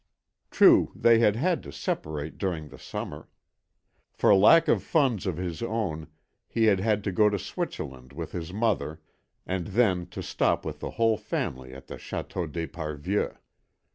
True they had had to separate during the summer. For lack of funds of his own he had had to go to Switzerland with his mother, and then to stop with the whole family at the Château d'Esparvieu.